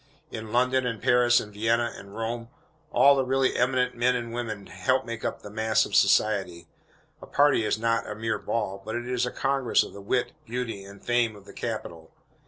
In London, and Paris, and Vienna, and Rome, all the really eminent men and women help make up the mass of society. A party is not a mere ball, but it is a congress of the wit, beauty, and fame of the capital.